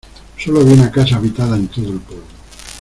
Sólo había una casa habitada en todo el pueblo.